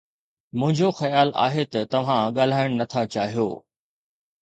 منهنجو خيال آهي ته توهان ڳالهائڻ نٿا چاهيو